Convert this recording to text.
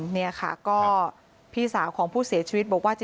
นี่ค่ะก็พี่สาวของผู้เสียชีวิตบอกว่า